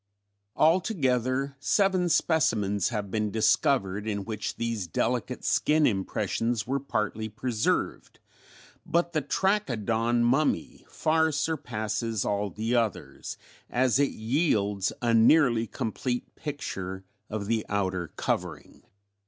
Altogether seven specimens have been discovered in which these delicate skin impressions were partly preserved, but the 'Trachodon mummy' far surpasses all the others, as it yields a nearly complete picture of the outer covering.